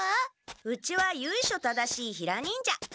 うちはゆいしょ正しいヒラ忍者。